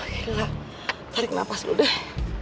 gila tarik nafas lu deh